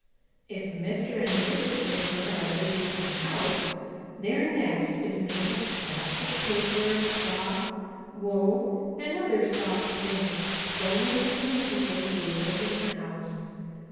"If Mr. and Mrs. Nibbler are living in a house, their nest is made of scraps of paper, cloth, wool and other soft things stolen from the people who live in the house.